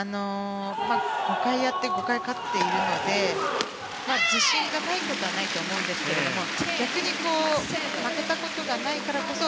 ５回やって５回勝っているので自信がないことはないと思うんですが逆に、負けたことがないからこそ